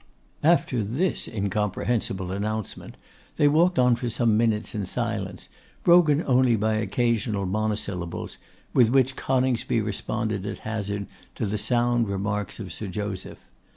After this incomprehensible announcement, they walked on for some minutes in silence, broken only by occasional monosyllables, with which Coningsby responded at hazard to the sound remarks of Sir Joseph.